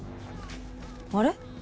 あれ？